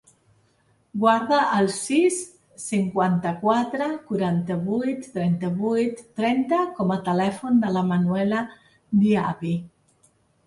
Guarda el sis, cinquanta-quatre, quaranta-vuit, trenta-vuit, trenta com a telèfon de la Manuela Diaby.